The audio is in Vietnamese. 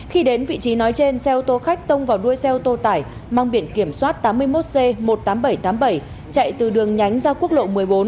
khi đến vị trí nói trên xe ô tô khách tông vào đuôi xe ô tô tải mang biển kiểm soát tám mươi một c một mươi tám nghìn bảy trăm tám mươi bảy chạy từ đường nhánh ra quốc lộ một mươi bốn